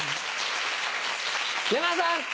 山田さん！